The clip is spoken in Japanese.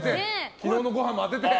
昨日のごはんも当てて。